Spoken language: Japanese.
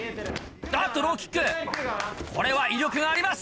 あっとローキックこれは威力があります。